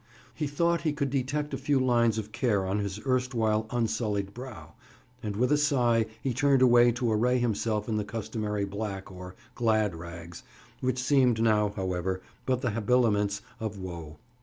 He thought he could detect a few lines of care on his erstwhile unsullied brow, and with a sigh, he turned away to array himself in the customary black—or "glad rags"—which seemed now, however, but the habiliments of woe.